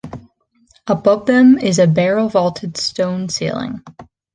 Above them is a barrel-vaulted stone ceiling.